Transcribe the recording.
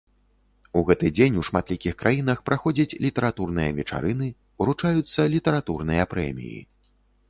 У гэты дзень у шматлікіх краінах праходзяць літаратурныя вечарыны, уручаюцца літаратурныя прэміі.